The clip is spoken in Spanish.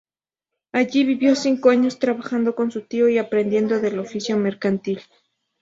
Allí vivió cinco años, trabajando con su tío y aprendiendo del oficio mercantil.